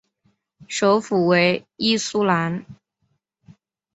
首府为伊苏兰。